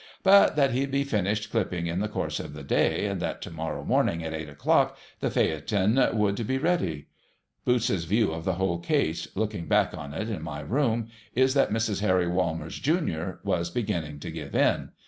But that he'd be finished clipping in the course of the day, and that to morrow morning at eight o'clock the pheayton would be ready. Boots's view of the whole case, looking back on it in my room, is, that Mrs. Harry Walmers, Junior, was beginning to give in.